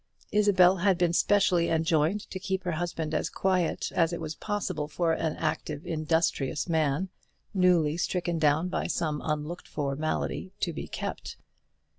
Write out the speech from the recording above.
Isabel had been specially enjoined to keep her husband as quiet as it was possible for an active industrious man, newly stricken down by some unlooked for malady, to be kept.